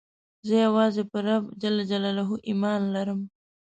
زه یوازي په رب ﷻ ایمان لرم.